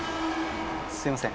すみません。